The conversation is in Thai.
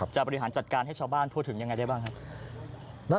บริหารจัดการให้ชาวบ้านพูดถึงยังไงได้บ้างครับ